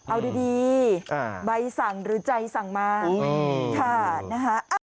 เอาดีใบสั่งหรือใจสั่งมาค่ะนะฮะ